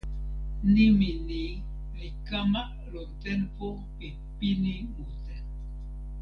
nimi ni li kama lon tenpo pi pini mute.